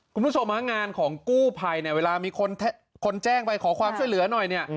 คุณผู้ชมฮะงานของกู้ภัยเนี่ยเวลามีคนแจ้งไปขอความช่วยเหลือหน่อยเนี่ย